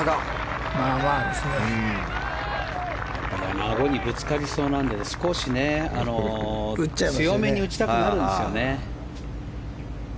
あごにぶつかりそうなので強めに打ちたくなるんですよね。